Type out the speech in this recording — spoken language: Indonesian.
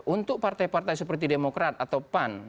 untuk partai partai seperti demokrat atau pan